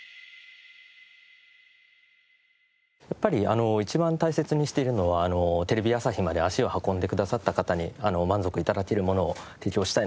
やっぱり一番大切にしているのはテレビ朝日まで足を運んでくださった方に満足頂けるものを提供したいなという思いがありますので。